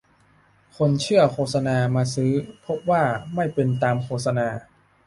คนเชื่อโฆษณามาซื้อ พบว่าไม่เป็นตามโฆษณา